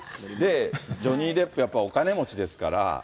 ジョニー・デップ、やっぱお金持ちですから。